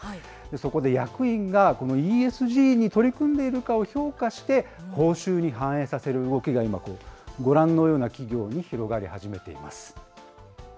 そこで役員がこのＥＳＧに取り組んでいるかを評価して、報酬に反映させる動きが今、ご覧のような企業に広がり始めています。